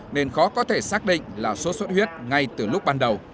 nên khó có thể xác định là sốt xuất huyết ngay từ lúc ban đầu